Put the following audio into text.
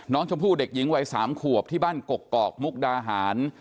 น้องชมพู่เด็กหญิงวัย๓ขวบที่บ้านกกอกมุกดาหาร